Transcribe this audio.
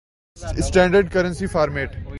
standard currency format